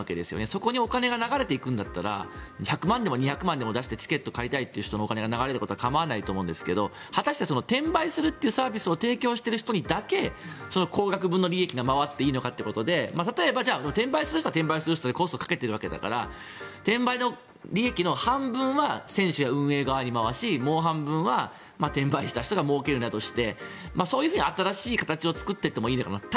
そこにお金が流れていくんだったら１００万でも２００万でも出してチケットを買いたいという人のお金が流れるっていうのは構わないと思うんですけど果たして転売するというサービスを提供している人にだけ高額分の利益が回っていいのかということで例えば転売する人は転売する人でコストをかけているわけだから転売の利益の半分は選手や運営側に回し、もう半分は転売した人がもうけるなどしてそういうふうに新しい形を作っていってもいいのかなと。